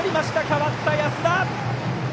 代わった安田！